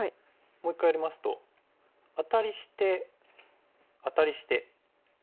もう一回やりますとアタリしてアタリしてアタリして。